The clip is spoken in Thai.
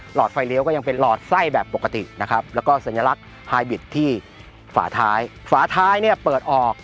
หลอดไฟเลี้ยวก็ยังเป็นหลอดใส่แบบปกติ